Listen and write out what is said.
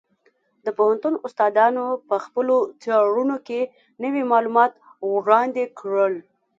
د پوهنتون استادانو په خپلو څېړنو کې نوي معلومات وړاندې کړل.